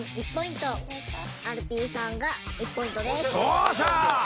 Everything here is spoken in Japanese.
おっしゃ！